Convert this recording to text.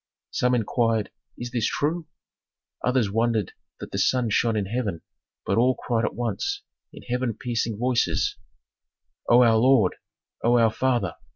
Some inquired: "Is this true?" Others wondered that the sun shone in heaven, but all cried at once in heaven piercing voices, "O our lord! O our father!